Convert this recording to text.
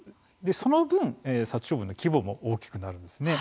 その分、殺処分の規模も大きくなるんです。